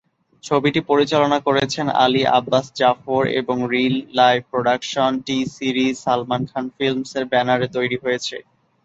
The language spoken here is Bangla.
ছবিটি পরিচালনা করেছেন আলী আব্বাস জাফর এবং reel life production, T Series, Salman Khan ফিল্মসের ব্যানারে তৈরি হয়েছে।